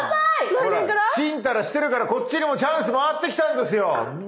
来年から⁉チンタラしてるからこっちにもチャンス回ってきたんですよ無期限！